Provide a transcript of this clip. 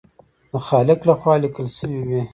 د خالق لخوا لیکل شوي وي.